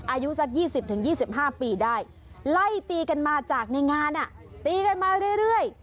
อายุสัก๒๐๒๕ปีได้ไล่ตีกันมาจากในงานตีกันมาเรื่อย